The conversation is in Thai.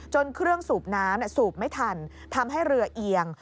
เครื่องสูบน้ำสูบไม่ทันทำให้เรือเอียง